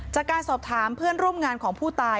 จากการสอบถามเพื่อนร่วมงานของผู้ตาย